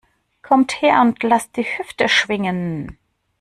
Kommt her und lasst die Hüfte schwingen!